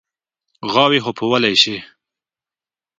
غواوې خو پيايلی شي.